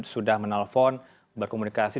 sudah menelpon berkomunikasi